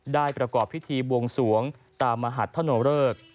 ได้ประกอบพิธีบวงสวงตามมหัตถโนภิค